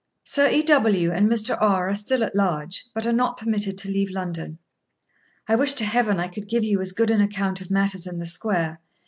Sir E. W. and Mr. R. are still at large, but are not permitted to leave London. I wish to Heaven I could give you as good an account of matters in the square.